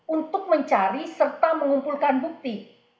untuk mencari serta mengumpulkan bukti